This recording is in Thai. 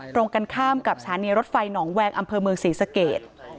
ตรงกันข้ามกับสถานีรถไฟหนองแวงอำเภอเมืองศรีสเกต